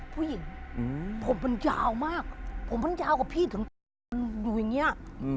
ผู้หญิงผมมันยาวมากผมมันยาวกับพี่ถึงอยู่อย่างนี้